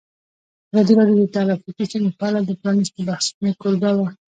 ازادي راډیو د ټرافیکي ستونزې په اړه د پرانیستو بحثونو کوربه وه.